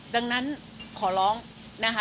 ดังนั้นขอร้องนะคะ